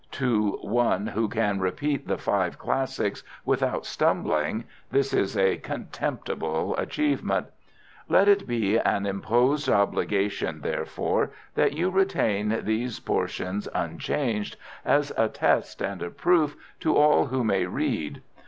To one who can repeat the Five Classics without stumbling this is a contemptible achievement. Let it be an imposed obligation, therefore, that you retain these portions unchanged as a test and a proof to all who may read.